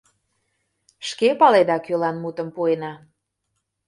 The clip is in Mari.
Шке паледа, кӧлан мутым пуэна.